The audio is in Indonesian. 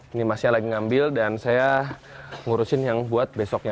ini masnya lagi ngambil dan saya ngurusin yang buat besoknya